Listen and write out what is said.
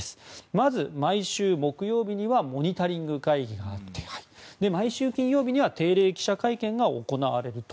まず、毎週木曜日にはモニタリング会議があって毎週金曜日には定例記者会見が行われると。